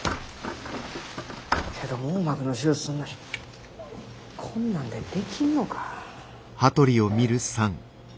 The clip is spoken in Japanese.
けど網膜の手術すんのにこんなんでできんのか。